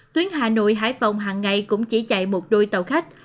tuyến hà nội hải phòng hàng ngày cũng chỉ chạy một đôi tàu khách